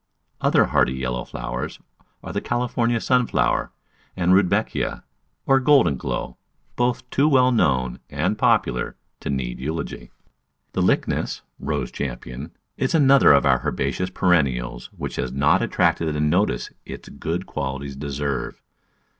Other hardy yellow flowers are the California Sunflower and Rudbeckia, or Golden Glow, both too well known and popular to need eulogy. The Lychnis (Rose Campion) is another of our herbaceous perennials which has not attracted the notice its good qualities deserve.